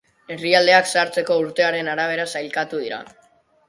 Herrialdeak sartzeko urtearen arabera sailkatu dira.